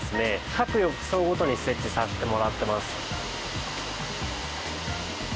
各浴槽ごとに設置させてもらってます。